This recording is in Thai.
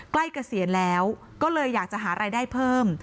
เกษียณแล้วก็เลยอยากจะหารายได้เพิ่ม